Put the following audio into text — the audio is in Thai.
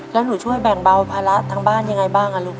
แล้วหนูช่วยแบ่งเบาภาระทางบ้านยังไงบ้างลูก